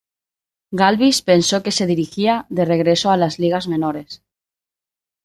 Galvis pensó que se dirigía de regreso a las ligas menores.